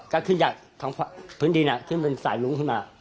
ก็ขึ้นจากทางพื้นดินขึ้นเป็นสายลุ้งขึ้นมา